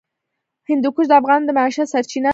هندوکش د افغانانو د معیشت سرچینه ده.